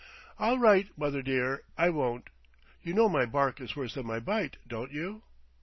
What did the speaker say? "All right, mother dear, I won't; you know my bark is worse than my bite, don't you?"